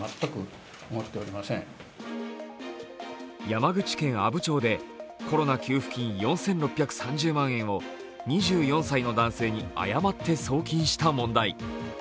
山口県阿武町でコロナ給付金４６３０万円を２４歳の男性に誤って送金した問題。